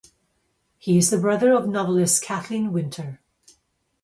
He is the brother of novelist Kathleen Winter.